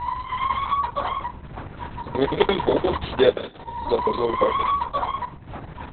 Ngα̌ ngén mα wúά nsi â njamzᾱ wāha.